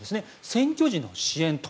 選挙時の支援。